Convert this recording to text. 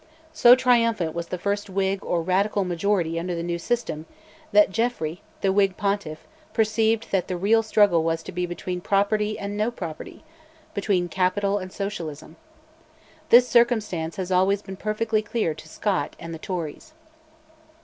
So triumphant was the first Whig or Radical majority under the new system, that Jeffrey, the Whig pontiff, perceived that the real struggle was to be "between property and no property," between Capital and Socialism. This circumstance had always been perfectly clear to Scott and the Tories.